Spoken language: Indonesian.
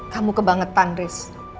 kamu kebangetan riz